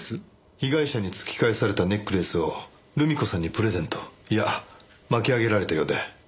被害者に突き返されたネックレスを留美子さんにプレゼントいや巻き上げられたようで。